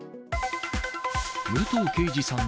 武藤敬司さん